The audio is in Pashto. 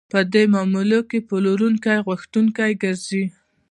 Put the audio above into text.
په دې معاملو کې پلورونکی غوښتونکی ګرځي